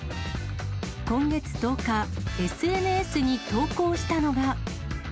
今月１０日、ＳＮＳに投稿したのが。